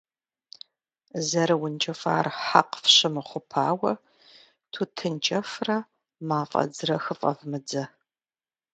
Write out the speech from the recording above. ЗэрыункӀыфӀар хьэкъ фщымыхъупауэ тутын кӀэфрэ мафӀэдзрэ хыфӀэвмыдзэ.